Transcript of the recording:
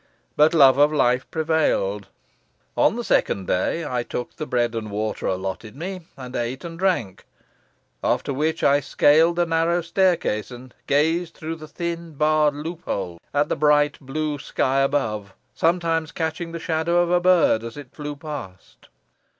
But love of life prevailed. On the second day I took the bread and water allotted me, and ate and drank; after which I scaled the narrow staircase, and gazed through the thin barred loophole at the bright blue sky above, sometimes catching the shadow of a bird as it flew past.